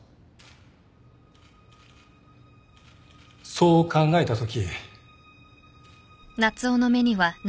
そう考えたとき。